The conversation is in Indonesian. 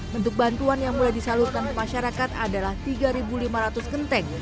bentuk bantuan yang mulai disalurkan ke masyarakat adalah tiga lima ratus kenteng